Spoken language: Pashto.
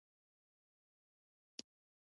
د پله له پاسه به یوې ټکسي ته ور پورته شو.